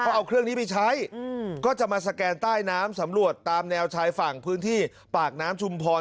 เอาเครื่องนี้ไปใช้ก็จะมาสแกนใต้น้ำสำรวจตามแนวชายฝั่งพื้นที่ปากน้ำชุมพร